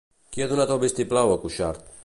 Qui ha donat el vistiplau a Cuixart?